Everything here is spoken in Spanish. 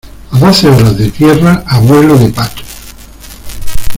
a doce horas de tierra a vuelo de pato.